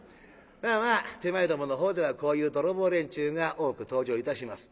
まあまあ手前どものほうではこういう泥棒連中が多く登場いたします。